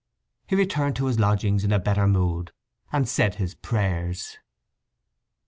He returned to his lodgings in a better mood, and said his prayers.